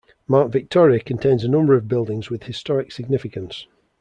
Mount Victoria contains a number of buildings with historic significance.